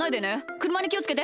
くるまにきをつけて。